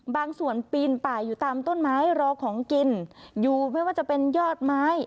บางส่วนปีนป่าอยู่ตามต้นไม้รอของกินอยู่ไม่ว่าจะเป็นยอดไม้